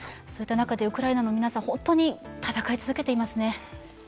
そういった中でウクライナの皆さん、本当に戦い続けていますね。